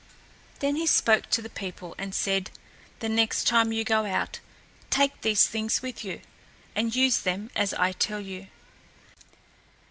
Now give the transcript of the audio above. Then he spoke to the people, and said, "The next time you go out, take these things with you, and use them as I tell you.